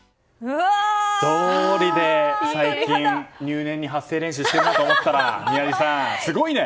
どおりで、最近発声練習してるなと思ったら宮司さん、すごいね。